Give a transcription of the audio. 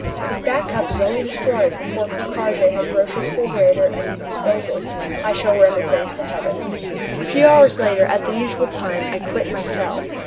If Back Cup is only destroyed before Ker Karraje has Roch's fulgurator at his disposal I shall render thanks to heaven. A few hours later, at the usual time, I quit my cell.